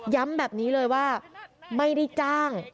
แบบนี้เลยว่าไม่ได้จ้าง